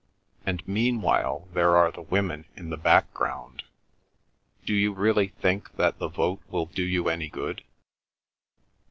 And meanwhile there are the women in the background. ... Do you really think that the vote will do you any good?"